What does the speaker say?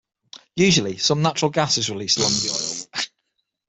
Usually some natural gas is released along with the oil.